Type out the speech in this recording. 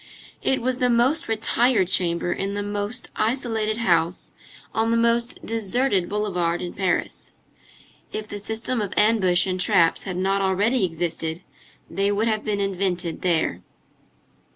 It was the most retired chamber in the most isolated house on the most deserted boulevard in Paris. If the system of ambush and traps had not already existed, they would have been invented there.